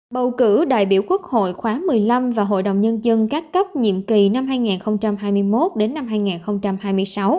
bầu cử đại biểu quốc hội khóa một mươi năm và hội đồng nhân dân các cấp nhiệm kỳ năm hai nghìn hai mươi một đến năm hai nghìn hai mươi sáu